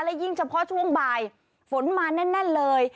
และยิ่งเฉพาะช่วงบ่ายฝนมาแน่นเลย